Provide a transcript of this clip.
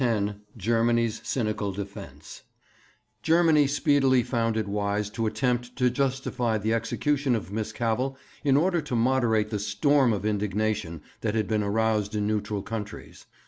X GERMANY'S CYNICAL DEFENCE Germany speedily found it wise to attempt to justify the execution of Miss Cavell in order to moderate the storm of indignation that had been aroused in neutral countries.